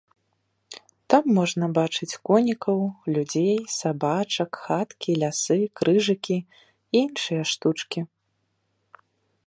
Там можна бачыць конікаў, людзей, сабачак, хаткі, лясы, крыжыкі і іншыя штучкі.